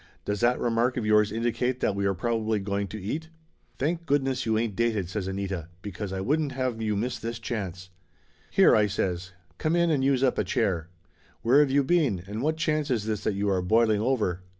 "Does that remark of yours indicate that we are probably going to eat?" "Thank goodness you ain't dated," says Anita, "be cause I wouldn't have you miss this chance!" "Here!" I says. "Come in and use up a chair. Where have you been, and what chance is this that you are boiling over?"